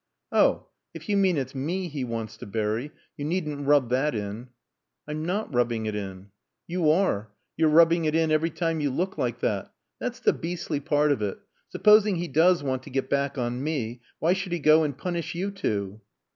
"Oh, if you mean it's me he wants to bury . You needn't rub that in." "I'm not rubbing it in." "You are. You're rubbing it in every time you look like that. That's the beastly part of it. Supposing he does want to get back on me, why should he go and punish you two?"